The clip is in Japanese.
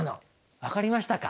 分かりましたか？